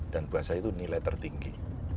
dan buat saya itu nilai tertinggi